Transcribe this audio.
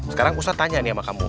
sekarang pusat tanya nih sama kamu